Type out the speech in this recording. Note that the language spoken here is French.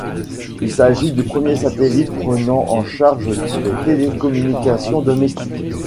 Il s'agit du premier satellite prenant en charge des télécommunications domestiques.